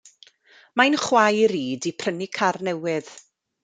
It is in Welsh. Mae'n chwaer i 'di prynu car newydd.